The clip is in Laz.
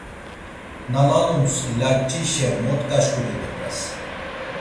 Na lalums layç̌işe mot gaşǩurinet̆as.